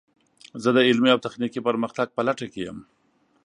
زه د علمي او تخنیکي پرمختګ په لټه کې یم.